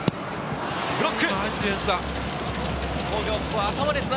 ブロック！